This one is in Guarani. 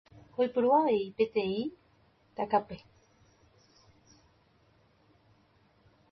Oipuru avei peteĩ takape.